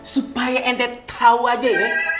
supaya ente tau aja ya